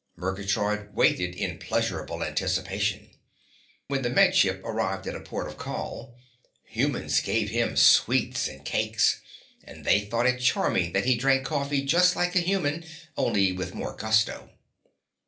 Murgatroyd waited in pleasurable anticipation. When the Med Ship arrived at a port of call humans gave him sweets and cakes, and they thought it charming that he drank coffee just like a human, only with more gusto.